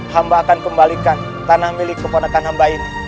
hamba akan kembalikan tanah milik keponakan hamba ini